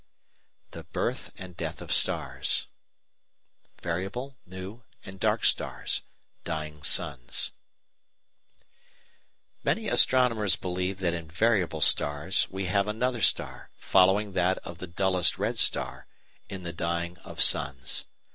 ] THE BIRTH AND DEATH OF STARS § 3 Variable, New, and Dark Stars: Dying Suns Many astronomers believe that in "variable stars" we have another star, following that of the dullest red star, in the dying of suns.